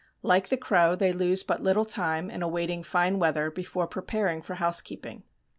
Like the crow they lose but little time in awaiting fine weather before preparing for housekeeping.